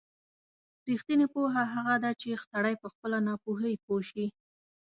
رښتینې پوهه هغه ده چې سړی په خپله ناپوهۍ پوه شي.